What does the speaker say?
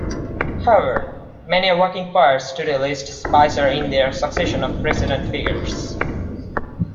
However, many working poets today list Spicer in their succession of precedent figures.